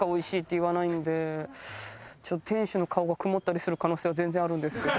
ちょっと店主の顔が曇ったりする可能性は全然あるんですけど。